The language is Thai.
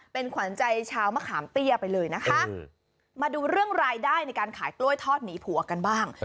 เป็นขวัญใจชาวมะขามเตี้ยไปเลยนะคะมาดูเรื่องรายได้ในการขายกล้วยทอดหนีผัวกันบ้าง